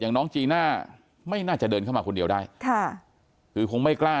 น้องจีน่าไม่น่าจะเดินเข้ามาคนเดียวได้ค่ะคือคงไม่กล้า